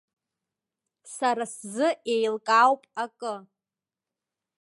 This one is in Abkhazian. Сара сзы иеилкаауп акы.